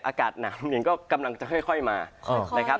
อากาศหนาวลมเย็นก็กำลังจะค่อยมานะครับ